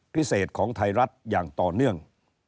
พิเศษของไทยรัฐอย่างต่อเนื่อง